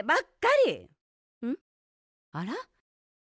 あら？